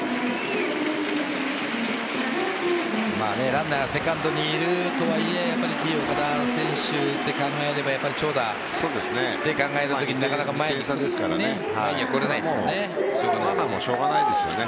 ランナーがセカンドにいるとはいえＴ‐岡田選手と考えればやっぱり長打と考えたときになかなか前には来れないですね。